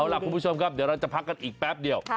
เอาล่ะคุณผู้ชมครับเดี๋ยวเราจะพักกันอีกแป๊บเดียว